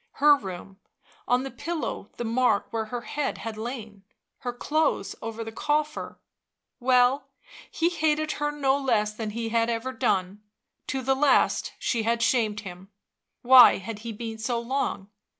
Her room ... on the pillow the mark where her head had lain, her clothes over the coffer ; well, he hated her no less than he had ever done; to the last she had shamed him ; why had he been so long